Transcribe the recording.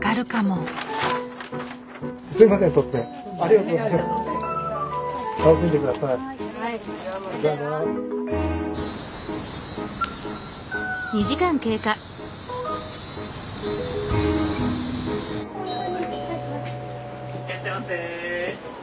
いらっしゃいませ。